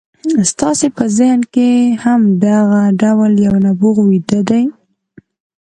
ستاسې په ذهن کې هم دغه ډول یو نبوغ ویده دی